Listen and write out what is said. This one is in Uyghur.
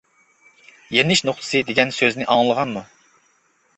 "يېنىش نۇقتىسى" دېگەن سۆزنى ئاڭلىغانمۇ؟